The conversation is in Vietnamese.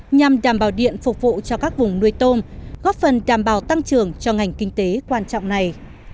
nhằm đảm bảo điện phục vụ cho các vùng nuôi tôm góp phần đảm bảo tăng trưởng cho ngành kinh tế quan trọng này